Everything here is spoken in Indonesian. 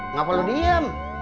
nggak perlu diem